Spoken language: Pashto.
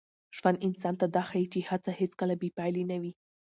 ژوند انسان ته دا ښيي چي هڅه هېڅکله بې پایلې نه وي.